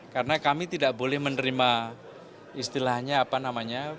karena kami tidak boleh menerima istilahnya apa namanya